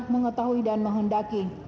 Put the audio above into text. mengetahui dan menghendaki